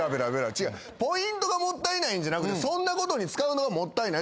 違うポイントがもったいないんじゃなくてそんなことに使うのがもったいない。